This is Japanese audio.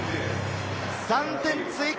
３点追加！